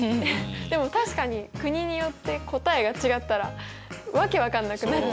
でも確かに国によって答えが違ったら訳分かんなくなっちゃうよね。